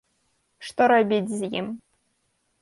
Што рабіць з ім?